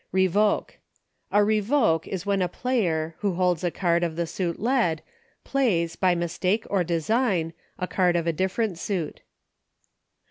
Eevoke. A Eevoke is when a player, who holds a card of the suit led, plays, by mistake or design, a card of a different suit.